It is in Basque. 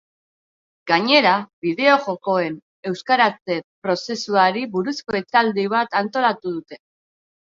Gainera, bideo-jokoen euskaratze prozesuari buruzko hitzaldi bat antolatu dute.